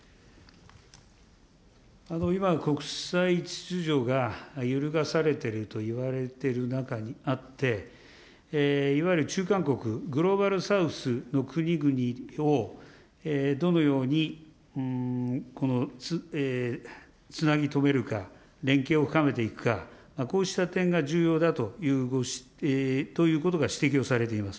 今、国際秩序が揺るがされているといわれている中にあって、いわゆるちゅうかん国、グローバル・サウスの国々をどのようにつなぎとめるか、連携を深めていくか、こうした点が重要だということが指摘をされています。